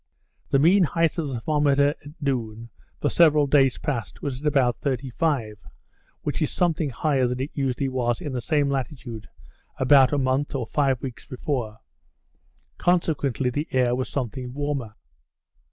The mean height of the thermometer at noon, for some days past, was at about 35, which is something higher than it usually was in the same latitude about a month or five weeks before, consequently the air was something warmer.